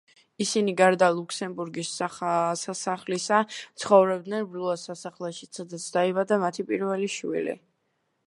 ისინი გარდა ლუქსემბურგის სასახლისა, ცხოვრობდნენ ბლუას სასახლეშიც, სადაც დაიბადა მათი პირველი შვილი.